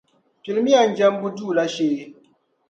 Pilimiya n jɛmbu duu la shee.